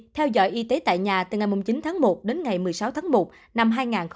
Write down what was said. theo dõi y tế tại nhà từ ngày chín tháng một đến ngày một mươi sáu tháng một năm hai nghìn hai mươi